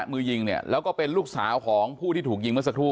มือยิงเนี่ยแล้วก็เป็นลูกสาวของผู้ที่ถูกยิงเมื่อสักครู่